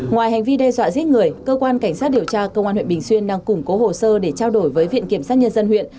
ngoài hành vi đe dọa giết người cơ quan cảnh sát điều tra công an huyện bình xuyên đang củng cố hồ sơ để trao đổi với viện kiểm sát nhân dân huyện